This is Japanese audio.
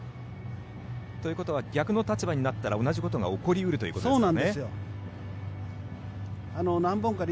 ということは逆の立場になったら同じことが起こり得るということですね。